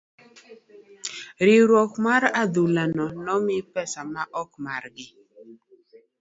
riwruok mar adhula no ne omi pesa maok margi.